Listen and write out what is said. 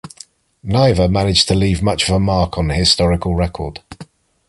Neither managed to leave much of a mark upon the historical record.